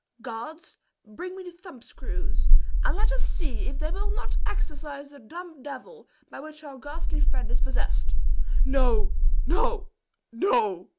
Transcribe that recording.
Guards, bring me the thumb screws, and let us see if they will not exercise the dumb devil by which our ghastly friend is possessed!" "No, no, no!"